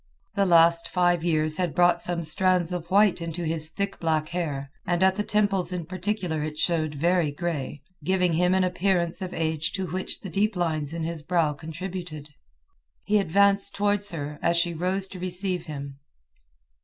The last five years had brought some strands of white into his thick black hair, and at the temples in particular it showed very grey, giving him an appearance of age to which the deep lines in his brow contributed. He advanced towards her, as she rose to receive him.